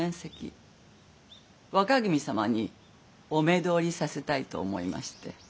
若君様にお目通りさせたいと思いまして。